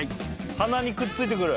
鼻にくっついてくる。